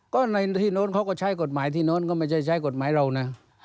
ก็ในที่โน้นเขาก็ใช้กฎหมายที่โน้นก็ไม่ใช่ใช้กฎหมายเรานะ